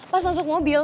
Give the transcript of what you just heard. pas masuk mobil